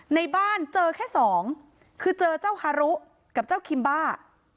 ในบ้านเจอแค่สองคือเจอเจ้าฮารุกับเจ้าคิมบ้า